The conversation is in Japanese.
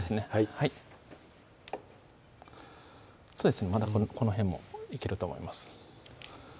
はいまだこの辺もいけると思います